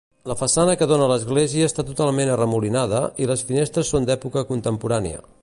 La façana que dóna a l'església està totalment arremolinada i les finestres són d'època contemporània.